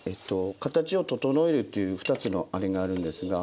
形を整えるっていう２つのあれがあるんですが。